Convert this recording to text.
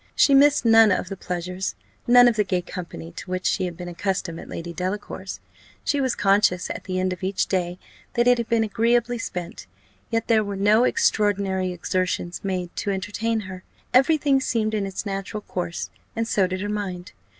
She missed none of the pleasures, none of the gay company, to which she had been accustomed at Lady Delacour's. She was conscious, at the end of each day, that it had been agreeably spent; yet there were no extraordinary exertions made to entertain her; every thing seemed in its natural course, and so did her mind.